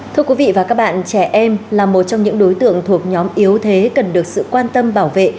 thưa quý vị và các bạn trẻ em là một trong những đối tượng thuộc nhóm yếu thế cần được sự quan tâm bảo vệ